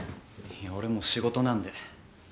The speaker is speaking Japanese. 俺もう仕事なんで。